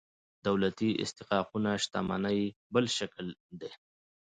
دولتي استحقاقونه شتمنۍ بل شکل دي.